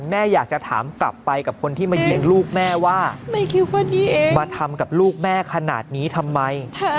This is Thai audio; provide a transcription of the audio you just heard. แม่อยากจะถามกลับไปกับคนที่มายิงลูกแม่ว่ามาทำกับลูกแม่ขนาดนี้ทำไม